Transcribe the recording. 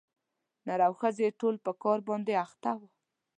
نر او ښځي ټول په کار باندي اخته وه